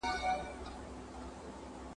چي ډزي نه وي توري نه وي حادثې مو وهي !.